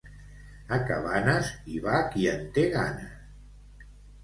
A Cabanes, hi va qui en té ganes.